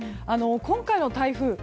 今回の台風